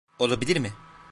Olabilir mi?